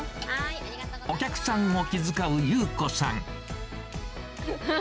お客さんを気遣う友子さん。